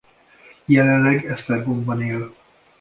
Jelenleg Esztergomban él.